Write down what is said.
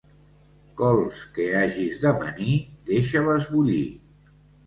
Cols que hagis d'amanir, deixa-les bullir.